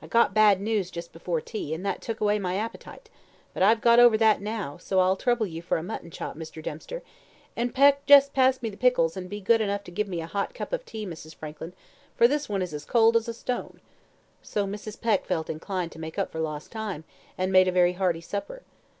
"I got bad news just before tea, and that took away my appetite; but I have got over that now, so I'll trouble you for a mutton chop, Mr. Dempster, and Peck, just pass me the pickles, and be good enough to give me a hot cup of tea, Mrs. Frankland, for this one is as cold as a stone;" so Mrs. Peck felt inclined to make up for lost time, and made a very hearty supper.